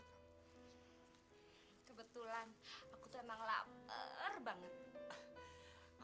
kebetulan aku tuh emang lapar banget